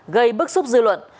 gây bức xúc dư luận